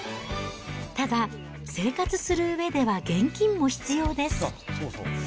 ただ、生活するうえでは現金も必要です。